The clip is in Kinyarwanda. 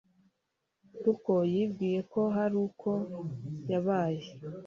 kuko yibwiye ko hari uko yabaye.